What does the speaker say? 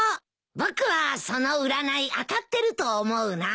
僕はその占い当たってると思うな。